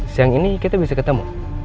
siang ini kita bisa ketemu